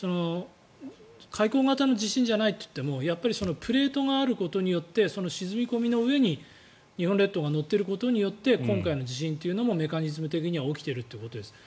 海溝型の地震じゃないといってもプレートがあることによってその沈み込みの上に日本列島が乗っていることによって今回の地震というのもメカニズム的には起きているということです。